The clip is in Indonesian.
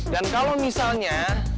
dan kalau misalnya